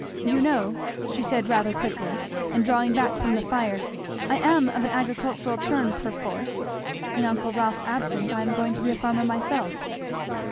"You know," she said rather quickly, and drawing back from the fire, "I am of an agricultural turn perforce in uncle Rolf's absence I am going to be a farmer myself."